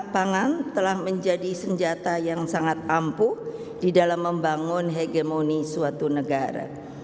pangan telah menjadi senjata yang sangat ampuh di dalam membangun hegemoni suatu negara